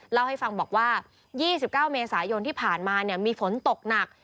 เล่าให้ฟังบอกว่า๒๙เมษายนที่ผ่านมามีฝนตกหนัก